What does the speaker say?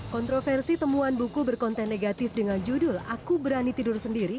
kontroversi temuan buku berkonten negatif dengan judul aku berani tidur sendiri